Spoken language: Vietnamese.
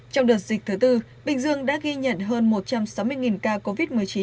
trong đợt dịch thứ tư bình dương đã ghi nhận hơn một trăm sáu mươi ca covid một mươi chín